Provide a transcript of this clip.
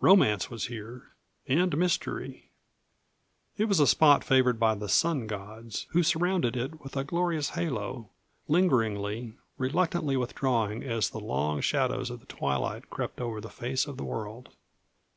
Romance was here, and mystery; it was a spot favored by the Sun Gods, who surrounded it with a glorious halo, lingeringly, reluctantly withdrawing as the long shadows of the twilight crept over the face of the world.